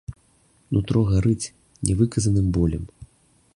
Нутро гарыць нявыказаным болем.